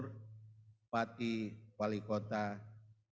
kepada kepala kepala kepala kepala kepala kepala kepala kepala